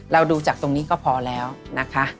ดูจากตรงนี้ก็พอแล้วนะคะ